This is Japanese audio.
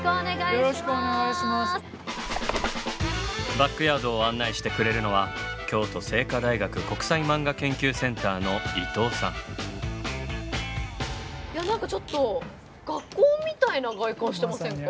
バックヤードを案内してくれるのはいや何かちょっと学校みたいな外観してませんか？